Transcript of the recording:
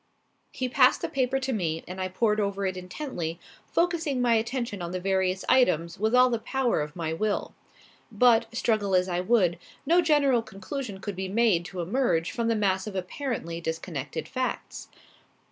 He passed the paper to me and I pored over it intently, focusing my attention on the various items with all the power of my will. But, struggle as I would, no general conclusion could be made to emerge from the mass of apparently disconnected facts.